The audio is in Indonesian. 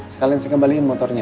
sekalian sih kembaliin motornya